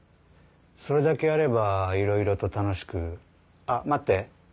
それだけあればいろいろと楽しくあっ待って。